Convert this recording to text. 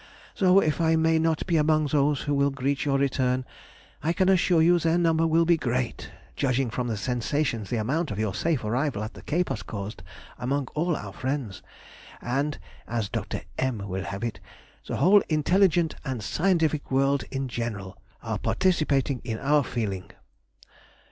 Though, if I may not be among those who will greet your return, I can assure you their number will be great, judging from the sensation the account of your safe arrival at the Cape has caused among all our friends; and (as Dr. M—— will have it) "the whole intelligent and scientific world in general are participating in our feeling."